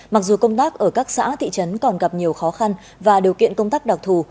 mặc dù công tác ở các xã thị trấn còn gặp nhiều khó khăn và điều kiện công tác đặc thù